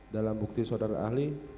dalam bukti saudara ahli